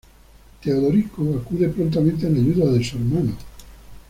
Teodorico acude prontamente en ayuda de su hermano.